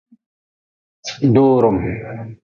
Doorm.